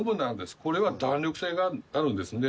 これは弾力性があるんですね。